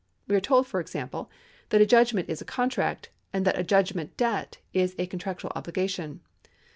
We are told, for example, that a judgment is a contract, and that a judgment debt is a con tractual obligation.